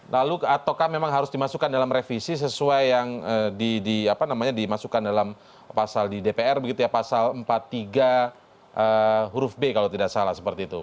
lalu ataukah memang harus dimasukkan dalam revisi sesuai yang dimasukkan dalam pasal di dpr begitu ya pasal empat puluh tiga huruf b kalau tidak salah seperti itu